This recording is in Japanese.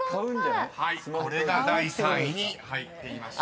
［これが第３位に入っていました］